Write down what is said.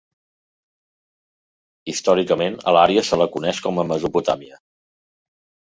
Històricament, a l'àrea se la coneix com a Mesopotàmia.